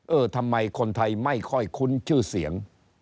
เออทำไมคนไทยไม่ค่อยคุ้นชื่อเสียง